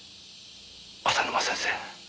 浅沼先生